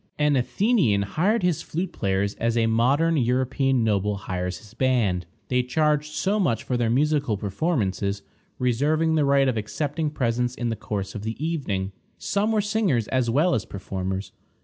An Athenian hired his flute players as a modern European noble hires his band. They charged so much for their musical performances, reserving the right of accepting presents in the course of the evening. Some were singers as well as performers.